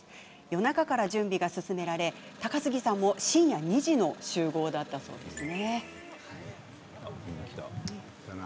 夜中から準備が進められ高杉さんも深夜２時の集合だったそうです。